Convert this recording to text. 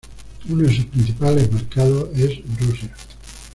Uno de sus principales mercados es Rusia.